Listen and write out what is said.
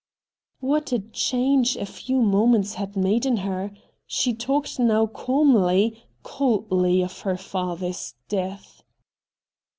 What a change a few moments had made in her ! She talked now calmly, coldly, of her father's death.